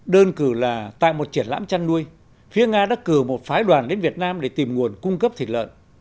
đơn cử là tại một triển lãm chăn nuôi phía nga đã cử một phái đoàn đến việt nam để tìm nguồn cung cấp thịt lợn